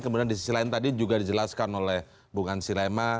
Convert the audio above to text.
kemudian di sisi lain tadi juga dijelaskan oleh bung ansi lema